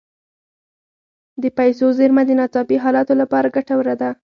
د پیسو زیرمه د ناڅاپي حالاتو لپاره ګټوره ده.